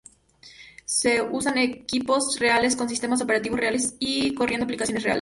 Se usan equipos reales con sistemas operativos reales y corriendo aplicaciones reales.